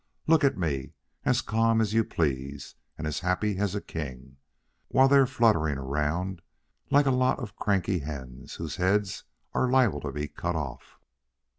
"Look at me as calm as you please, and as happy as a king, while they're fluttering around like a lot of cranky hens whose heads are liable to be cut off."